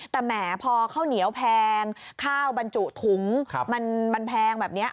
แต่แหมพอข้าวเหนียวแพงข้าวบรรจุถุงมันแพงแบบนี้